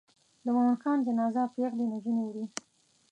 د مومن خان جنازه پیغلې نجونې وړي.